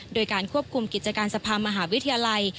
โดยการควบคุมกิจการสภามหาวิทยาลัย